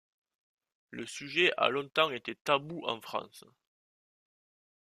Le sujet a longtemps été tabou en France.